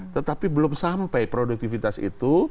tetapi belum sampai produktivitas itu